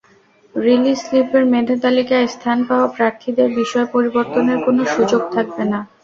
Release স্লিপের মেধাতালিকায় স্থান পাওয়া প্রার্থীদের বিষয় পরিবর্তনের কোনো সুযোগ থাকবে না।